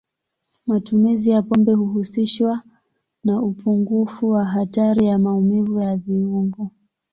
Matumizi ya pombe huhusishwa na upungufu wa hatari ya maumivu ya viungo.